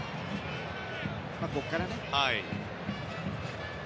ここからだね。